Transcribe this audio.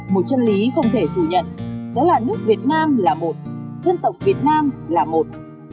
một chân lý không thể phủ nhận đó là nước việt nam là một dân tộc việt nam là một